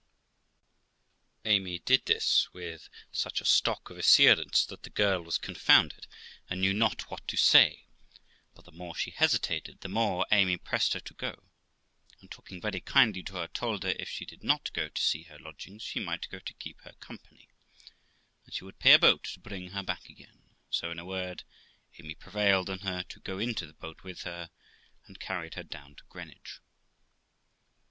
THE LIFE OF ROXANA 379 Amy did this with such a stock of assurance that the girl was confounded, and knew not what to say; but the more she hesitated, the more Amy pressed her to go ; and, talking very kindly to her, told her if she did not go to see her lodgings she might go to keep her company, and she would pay a boat to bring her back again; so, in a word, Amy prevailed on her to go into the boat with her, and carried her down to Greenwich.